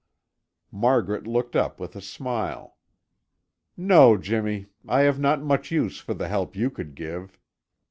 Margaret looked up with a smile. "No, Jimmy. I have not much use for the help you could give."